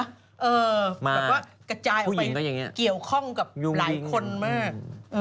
แบบว่ากระจายออกไปเกี่ยวข้องกับหลายคนมาก